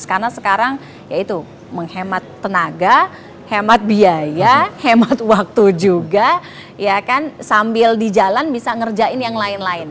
karena sekarang ya itu menghemat tenaga hemat biaya hemat waktu juga ya kan sambil di jalan bisa ngerjain yang lain lain